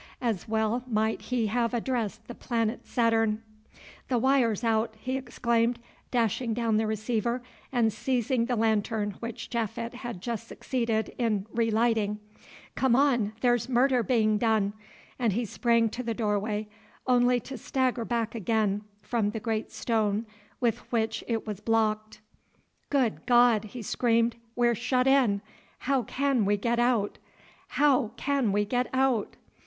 As well might he have addressed the planet Saturn. "The wire's cut," he exclaimed, dashing down the receiver and seizing the lantern which Japhet had just succeeded in re lighting; "come on, there's murder being done," and he sprang to the doorway, only to stagger back again from the great stone with which it was blocked. "Good God!" he screamed, "we're shut in. How can we get out? How can we get out?"